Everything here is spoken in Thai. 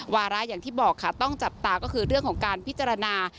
วาระอย่างที่บอกค่ะต้องจับตาก็คือเรื่องของการพิจารณา